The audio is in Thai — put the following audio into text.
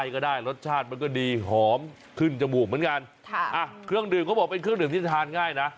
ก็ได้รสชาติมันก็ดีหอมขึ้นจมูกเหมือนกันค่ะอ่ะเครื่องดื่มเขาบอกเป็นเครื่องดื่มที่ทานง่ายนะ